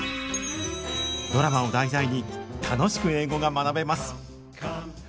ドラマを題材に楽しく英語が学べます。